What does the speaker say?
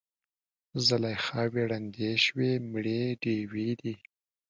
زلیخاوې ړندې شوي مړې ډیوې دي